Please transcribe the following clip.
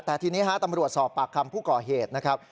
แต่ทีนี้ฮะตำรวจสอบปากคำผู้ก่อเหตุนะครับ